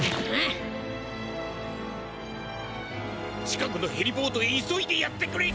近くのヘリポートへ急いでやってくれ！